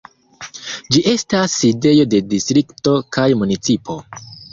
Ĝi estas sidejo de distrikto kaj municipo.